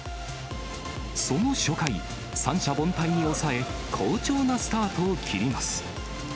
その初回、三者凡退に抑え、好調なスタートを切ります。